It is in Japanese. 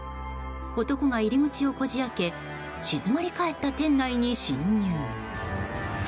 男が入り口をこじ開け静まり返った店内に侵入。